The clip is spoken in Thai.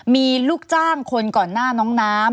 มีลูกจ้างคนก่อนหน้าน้องน้ำ